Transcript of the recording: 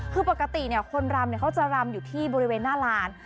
คือปกติคนรำเขาจะรำอยู่ที่บริเวณหน้าลาน